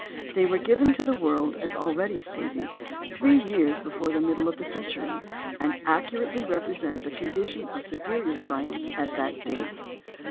They were given to the world, as already stated, three years before the middle of the century, and accurately represent the condition of sidereal science at that date.